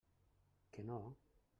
Que no!